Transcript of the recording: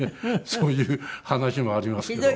そういう話もありますけど。